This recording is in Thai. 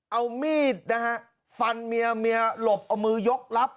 เอามีดฟันเมียหลบเอามือยกลับ